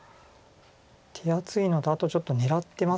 手厚いのとあとちょっと狙ってます。